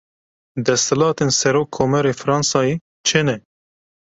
Deshilatên Serokkomarê Fransayê çi ne?